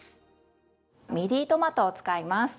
ミディトマトを使います。